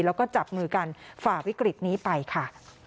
แล้วก็จับมือกันฝ่าวิกฤตนี้ไปค่ะ